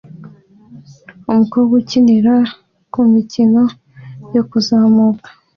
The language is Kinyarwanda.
umukobwa ukinira kumikino yo kuzamuka